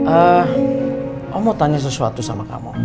ehm om mau tanya sesuatu sama kamu